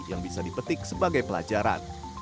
yang bisa dipetik sebagai pelajaran